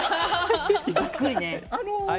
びっくりね。